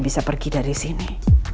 bisa pergi dari sini